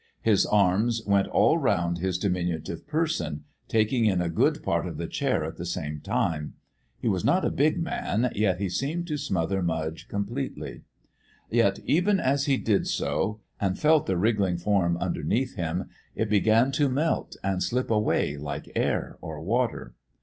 His arms went all round his diminutive person, taking in a good part of the chair at the same time. He was not a big man, yet he seemed to smother Mudge completely. Yet, even as he did so, and felt the wriggling form underneath him, it began to melt and slip away like air or water.